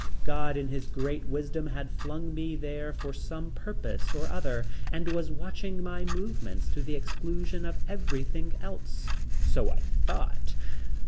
God in His great wisdom had flung me there for some purpose or other and was watching my movements to the exclusion of everything else, so I thought.